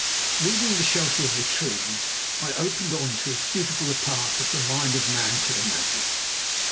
Leaving the shelter of the trees, I opened on to as beautiful a park as the mind of man could imagine.